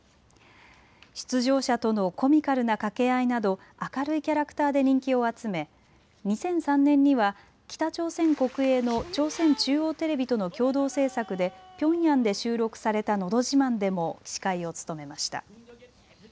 出場者とのコミカルな掛け合いなど明るいキャラクターで人気を集め２００３年には北朝鮮国営の朝鮮中央テレビとの共同制作でピョンヤンで収録されたのど自慢でも司会を務めました。